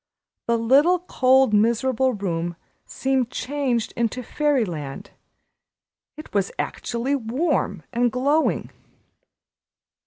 The little, cold, miserable room seemed changed into Fairyland. It was actually warm and glowing.